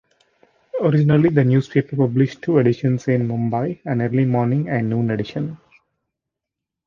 Originally, the newspaper published two editions in Mumbai: an early-morning and a noon edition.